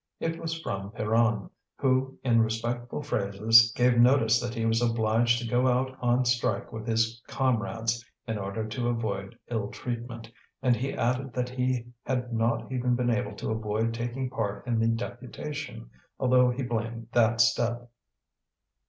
It was from Pierron, who, in respectful phrases, gave notice that he was obliged to go out on strike with his comrades, in order to avoid ill treatment; and he added that he had not even been able to avoid taking part in the deputation, although he blamed that step.